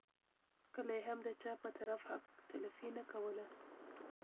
کله یې هم د چا په طرف حق تلفي نه کوله.